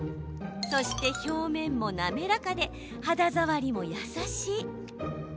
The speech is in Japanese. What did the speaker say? そして表面も滑らかで肌触りも優しい。